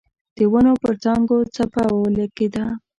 د ونو پر څانګو څپه ولګېده.